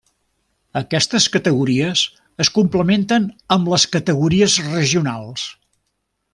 Aquestes categories es complementen amb les categories regionals.